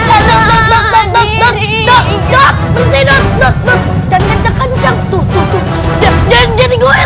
semuanya tenang istighfar istighfar tenang tenang semuanya tenang